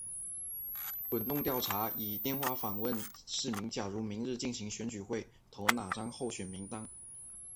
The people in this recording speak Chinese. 滚动调查以电话访问市民假如明日进行选举会投哪张候选名单。